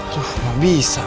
tuh gak bisa